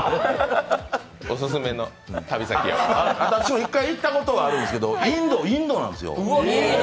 私も１回行ったことはあるんですけど、インドなんですよ。